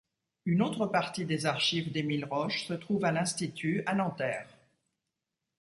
Une autre partie des archives d'Émile Roche se trouve à l'Institut à Nanterre.